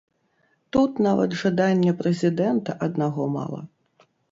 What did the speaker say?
Тут нават жадання прэзідэнта аднаго мала.